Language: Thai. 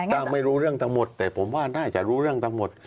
ไม่รู้เรื่องทั้งหมดแต่ผมว่าน่าจะรู้เรื่องทั้งหมด